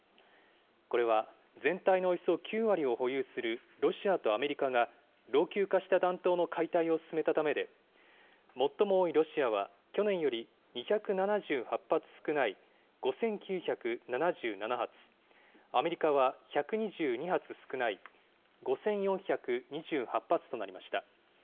これは全体のおよそ９割を保有するロシアとアメリカが、老朽化した弾頭の解体を進めたためで、最も多いロシアは、去年より２７８発少ない５９７７発、アメリカは１２２発少ない５４２８発となりました。